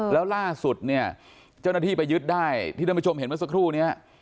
แล้วล่าสุดเนี่ยเจ้าหน้าที่ไปยึดได้ที่ท่านผู้ชมเห็นเมื่อสักครู่นี้